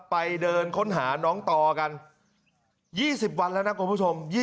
ไปเดินค้นหาน้องต่อกัน๒๐วันแล้วนะคุณผู้ชม